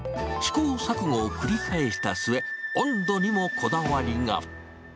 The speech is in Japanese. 試行錯誤を繰り返した末、温度にもこだわりが。